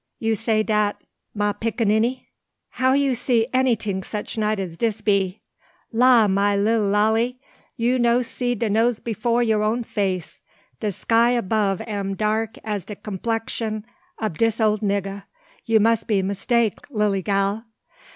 you say dat, ma pickaninny? How you see anyting such night as dis be? Law, ma lilly Lally, you no see de nose before you own face. De 'ky 'bove am dark as de complexyun ob dis ole nigga; you muss be mistake, lilly gal!